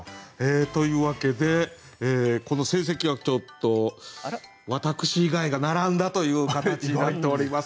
というわけでこの成績はちょっと私以外が並んだという形になっておりますね。